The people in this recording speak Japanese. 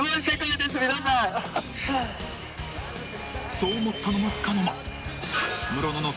［そう思ったのもつかの間］